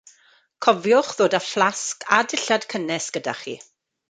Cofiwch ddod â fflasg a dillad cynnes gyda chi.